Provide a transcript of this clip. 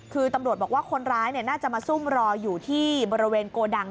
คือตำรวจบอกว่าคนร้ายน่าจะมาซุ่มรออยู่ที่บริเวณโกดัง